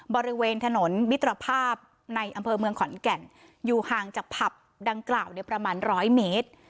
บริเวณถนนมิตรภาพในอำเภอเมืองขอนแก่นอยู่ห่างจากผับดังกล่าวเนี่ยประมาณร้อยเมตร